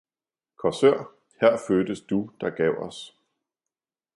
Korsør – her fødtes du, der gav os.